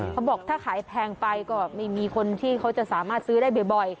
เขาบอกถ้าขายแพงไปก็ไม่มีคนที่เขาจะสามารถซื้อได้บ่อย